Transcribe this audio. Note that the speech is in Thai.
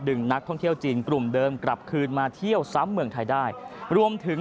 ดึงนักท่องเที่ยวจีนกลุ่มเดิมกลับคืนมาเที่ยวซ้ำเมือง